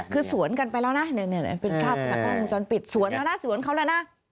คือสวนกันไปแล้วนะเป็นภาพจากกล้องวงจรปิดสวนแล้วนะสวนเขาแล้วนะ